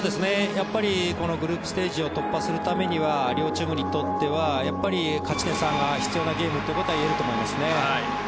やっぱりこのグループステージを突破するためには両チームにとっては勝ち点３が必要なゲームということはいえると思いますね。